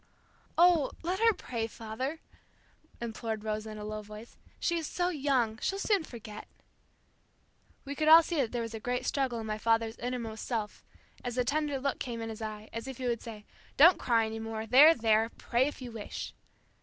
"Oh, let her pray, father," implored Rosa in a low voice. "She is so young, she'll soon forget." We could all see that there was a great struggle in my father's innermost self, as a tender look came in his eye, as if he would say, "Don't cry any more. There, there! Pray if you wish."